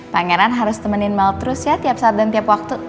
pangeran harus temenin mal terus ya tiap saat dan tiap waktu